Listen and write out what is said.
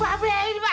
mabek ini mabek